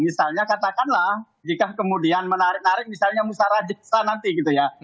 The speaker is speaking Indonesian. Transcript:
misalnya katakanlah jika kemudian menarik narik misalnya musara desa nanti gitu ya